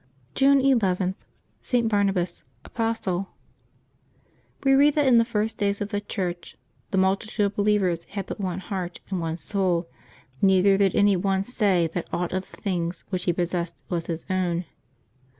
June II.— ST. BARNABAS, Apostle. ^Y^E read that in the first days of the Church, " the vl/ multitude of believers had but one heart and one soul; neither did any one say that aught of the things which he possessed was his own."